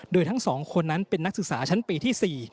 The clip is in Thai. โดยทั้ง๒คนนั้นเป็นนักศึกษาชั้นปีที่๔